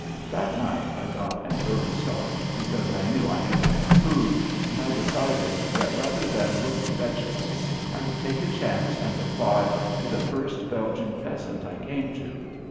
That night I got an early start because I knew I had to have food, and I decided that, rather than look for vegetables, I would take a chance and apply to the first Belgian peasant I came to.